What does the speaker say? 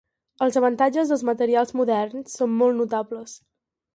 Els avantatges dels materials moderns són molt notables.